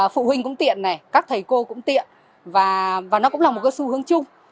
phụ huynh cũng tiện các thầy cô cũng tiện và nó cũng là một cơ sư hướng chung